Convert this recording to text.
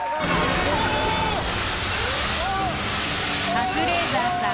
カズレーザーさん